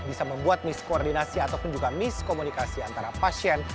bisa membuat miskoordinasi ataupun juga miskomunikasi antara pasien